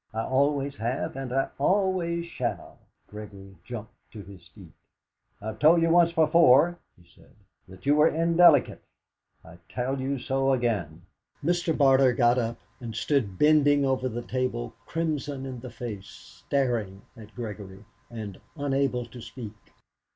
I always have, and I always shall!" Gregory jumped to his feet. "I've told you once before," he said, "that you were indelicate; I tell you so again." Mr. Barter got up, and stood bending over the table, crimson in the face, staring at Gregory, and unable to speak.